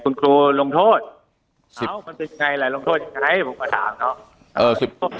คุณครูลงโทษมันเป็นยังไงแหละลงโทษยังไงผมก็ถามเขา